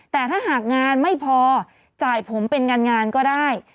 แต่ถ้าหากงานไม่พอจ่ายผมเป็นงานก็ได้